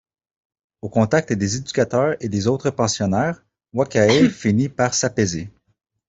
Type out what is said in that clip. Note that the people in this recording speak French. Au contact des éducateurs et des autres pensionnaires, Wakae finit par s'apaiser.